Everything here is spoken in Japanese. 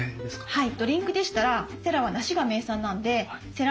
はい。